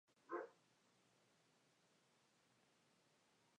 De familia conservadora, egresó del Colegio del Verbo Divino de la capital chilena.